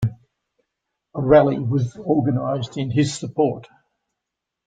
A rally was organised in his support.